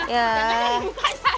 empat puluh jangan ah